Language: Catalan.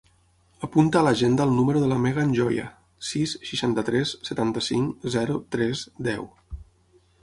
Apunta a l'agenda el número de la Megan Joya: sis, seixanta-tres, setanta-cinc, zero, tres, deu.